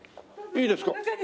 いいですか？